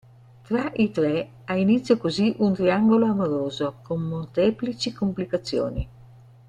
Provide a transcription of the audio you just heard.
Tra i tre ha inizio così un triangolo amoroso con molteplici complicazioni.